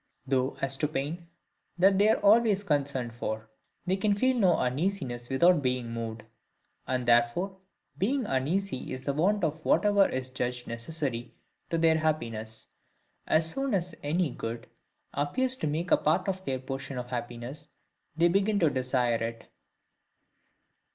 Though as to pain, THAT they are always concerned for; they can feel no uneasiness without being moved. And therefore, being uneasy in the want of whatever is judged necessary to their happiness, as soon as any good appears to make a part of their portion of happiness, they begin to desire it.